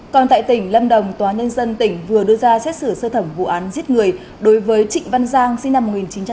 còn tại tỉnh lâm đồng tòa nhân dân tỉnh vừa đưa ra xét xử sơ thẩm vụ án giết người đối với trịnh văn giang sinh năm một nghìn chín trăm tám mươi